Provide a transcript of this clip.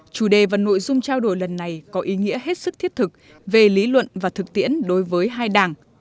chủ đề và nội dung trao đổi lần này có ý nghĩa hết sức thiết thực về lý luận và thực tiễn đối với hai đảng